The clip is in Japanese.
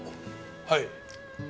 はい。